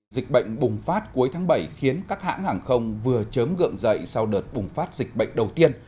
dịch bệnh bùng phát cuối tháng bảy khiến các hãng hàng không vừa chớm gượng dậy sau đợt bùng phát dịch bệnh đầu tiên